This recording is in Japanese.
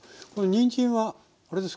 にんじんはあれですか？